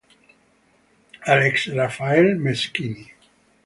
Alex Raphael Meschini